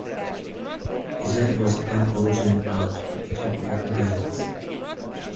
His head was quite bulging out at the top with brains.